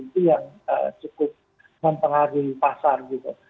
itu yang cukup mempengaruhi pasar gitu